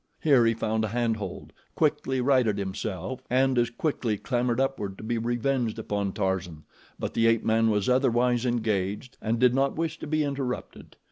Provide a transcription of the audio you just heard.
Here he found a hand hold, quickly righted himself, and as quickly clambered upward to be revenged upon Tarzan, but the ape man was otherwise engaged and did not wish to be interrupted.